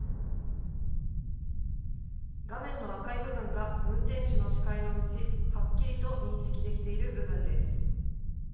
画面の赤い部分が、運転手の視界のうち、はっきりと認識できている部分です。